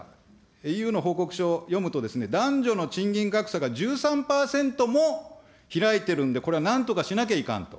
ＥＵの報告書読むと、男女の賃金格差が１３％も開いてるんで、これはなんとかしなきゃいかんと。